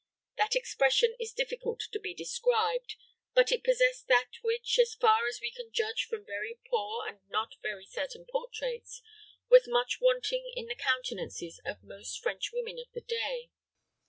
That expression is difficult to be described, but it possessed that which, as far as we can judge from very poor and not very certain portraits, was much wanting in the countenances of most French women of the day.